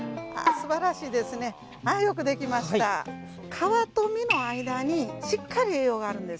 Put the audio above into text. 皮と実の間にしっかり栄養があるんです。